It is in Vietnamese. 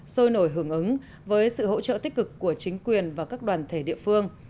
sôi nổi hưởng ứng với sự hỗ trợ tích cực của chính quyền và các đoàn thể địa phương